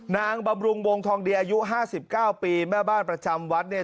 บำรุงวงทองดีอายุ๕๙ปีแม่บ้านประจำวัดเนี่ย